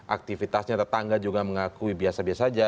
aktivitasnya tetangga juga mengakui biasa biasa saja